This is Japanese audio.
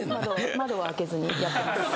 窓を開けずにやってます。